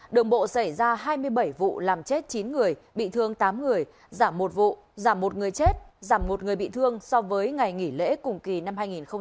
đường bộ xảy ra hai mươi bảy vụ làm chết chín người bị thương tám người giảm một vụ giảm một người chết giảm một người bị thương so với ngày nghỉ lễ cùng kỳ năm hai nghìn một mươi chín